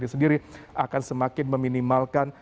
sendiri akan semakin meminimalkan